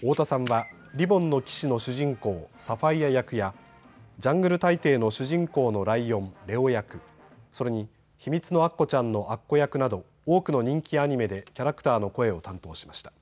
太田さんはリボンの騎士の主人公、サファイア役やジャングル大帝の主人公のライオン、レオ役、それにひみつのアッコちゃんのアッコ役など多くの人気アニメでキャラクターの声を担当しました。